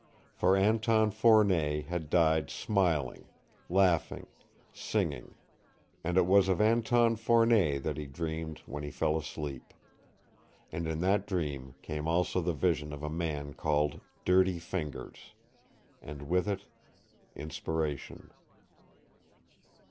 For Anton Fournet had died smiling, laughing, singing and it was of Anton Fournet that he dreamed when he fell asleep. And in that dream came also the vision of a man called Dirty Fingers and with it inspiration.